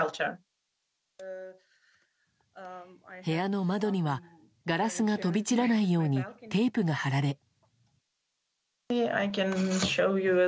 部屋の窓にはガラスが飛び散らないようにテープが貼られ。